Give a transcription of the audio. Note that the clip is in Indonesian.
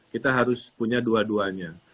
kita harus punya dua duanya